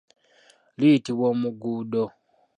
Liyitibwa omuguddo.